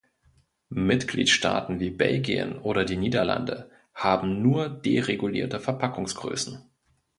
Mitgliedstaaten wie Belgien oder die Niederlande haben nur deregulierte Verpackungsgrößen.